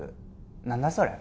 何だそれ